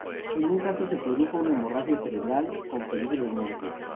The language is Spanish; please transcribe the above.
En un caso se produjo una hemorragia cerebral con peligro de muerte.